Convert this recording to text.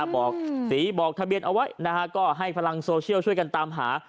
บอกสีบอกทะเบียนเอาไว้ก็ให้พลังโซเชียลช่วยกันตามหา